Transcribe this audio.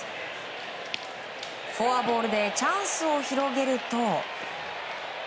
フォアボールでチャンスを広げると。